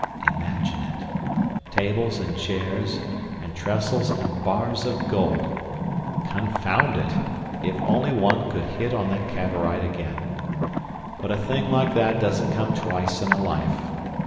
Imagine it! tables and chairs, and trestles and bars of gold! Confound it!—if only one could hit on that Cavorite again! But a thing like that doesn't come twice in a life.